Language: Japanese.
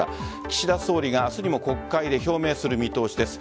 岸田総理が明日にも国会で表明する見通しです。